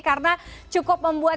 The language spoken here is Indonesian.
karena cukup membuat